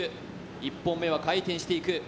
１本目は回転していく